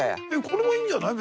これはいいんじゃない？